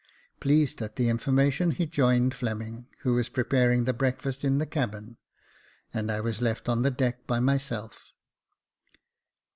Pleased at the information, he joined Fleming, who was preparing the breakfast in the cabin, and I was left on the deck by myself.